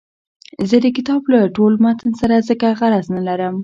زه د کتاب له ټول متن سره ځکه غرض نه لرم.